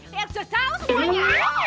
ya udah tau semuanya